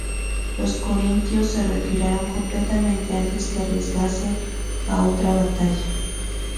Los corintios se retiraron completamente antes que arriesgarse a otra batalla.